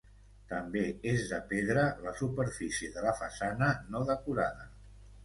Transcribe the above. També és de pedra la superfície de la façana no decorada.